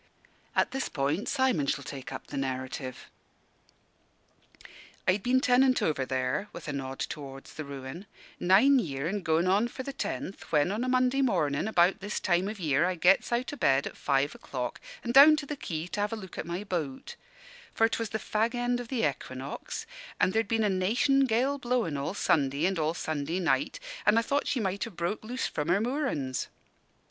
At this point Simon shall take up the narrative: "I'd been tenant over there" with a nod towards the ruin "nine year an' goin' on for the tenth, when, on a Monday mornin', about this time o' year, I gets out o' bed at five o'clock an' down to the quay to have a look at my boat; for 'twas the fag end of the Equinox, and ther'd been a 'nation gale blowin' all Sunday and all Sunday night, an' I thought she might have broke loose from her moorin's.